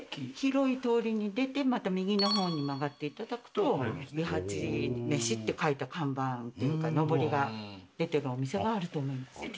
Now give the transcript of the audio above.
広い通りに出てまた右の方に曲がっていただくと「伊八めし」って書いた看板っていうかのぼりが出てるお店があると思います。